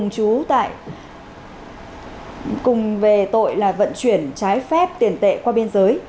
cùng về tội là vận chuyển trái phép tiền tệ qua biên giới